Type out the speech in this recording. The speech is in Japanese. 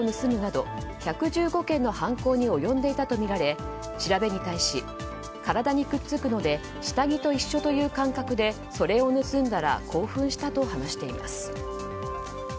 雨の日に女性の後をつけ脱いだ雨がっぱを盗むなど１１５件の犯行に及んでいたとみられ調べに対し体にくっつくので下着と一緒の感覚でそれを盗んだら興奮したと話しています。